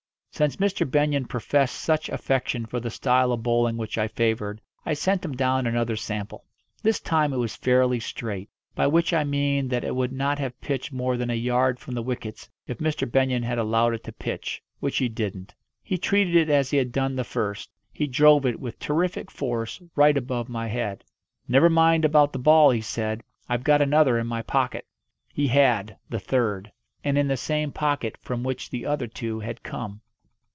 Since Mr. Benyon professed such affection for the style of bowling which I favoured, I sent him down another sample. This time it was fairly straight by which I mean that it would not have pitched more than a yard from the wickets if Mr. Benyon had allowed it to pitch, which he didn't. He treated it as he had done the first he drove it, with terrific force, right above my head. "Never mind about the ball," he said. "I've got another in my pocket." He had the third. And in the same pocket from which the other two had come.